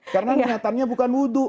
karena kelihatannya bukan wudu